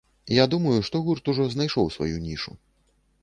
Я думаю, што гурт ужо знайшоў сваю нішу.